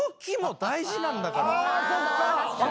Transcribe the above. あそっか！